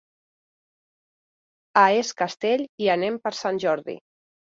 A Es Castell hi anem per Sant Jordi.